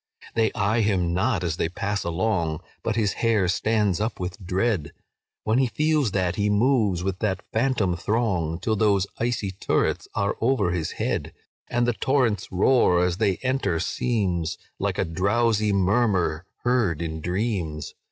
"They eye him not as they pass along, But his hair stands up with dread, When he feels that he moves with that phantom throng, Till those icy turrets are over his head, And the torrent's roar, as they enter, seems Like a drowsy murmur heard in dreams.